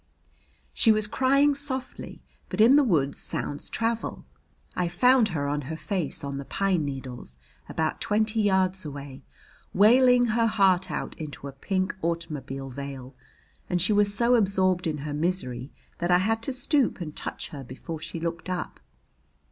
She was crying softly, but in the woods sounds travel. I found her on her face on the pine needles about twenty yards away, wailing her heart out into a pink automobile veil, and she was so absorbed in her misery that I had to stoop and touch her before she looked up.